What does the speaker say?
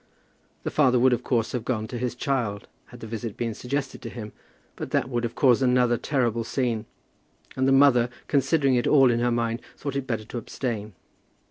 The father would of course have gone to his child, had the visit been suggested to him; but that would have caused another terrible scene; and the mother, considering it all in her mind, thought it better to abstain.